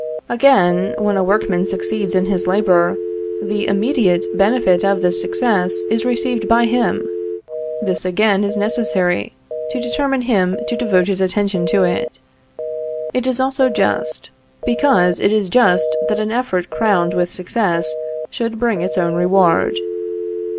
Again, when a workman succeeds in his labor, the immediate benefit of this success is received by him. This again is necessary, to determine him to devote his attention to it. It is also just; because it is just that an effort crowned with success should bring its own reward.